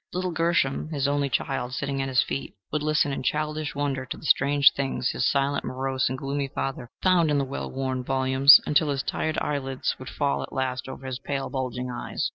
Little Gershom, his only child, sitting at his feet, would listen in childish wonder to the strange things his silent, morose and gloomy father found in the well worn volumes, until his tired eyelids would fall at last over his pale, bulging eyes.